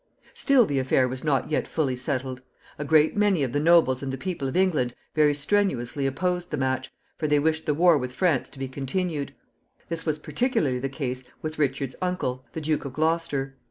Still the affair was not yet fully settled. A great many of the nobles and the people of England very strenuously opposed the match, for they wished the war with France to be continued. This was particularly the case with Richard's uncle, the Duke of Gloucester.